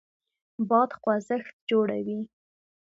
باد خوځښت جوړوي.